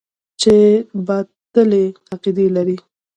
چې باطلې عقيدې لري.